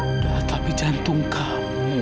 aida tapi jantung kamu